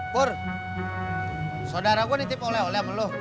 pur saudara gue ditipu oleh oleh sama lo